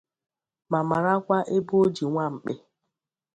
ma marakwa ebe o ji nwamkpi